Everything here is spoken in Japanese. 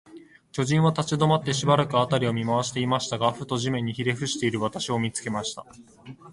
巨人は立ちどまって、しばらく、あたりを見まわしていましたが、ふと、地面にひれふしている私を、見つけました。